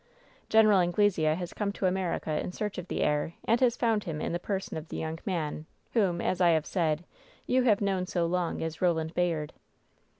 Gen. Anglesea has come to America in search of the heir, and has found him in the person of the young man whom, as I have said, you have known so long as Koland Bayard."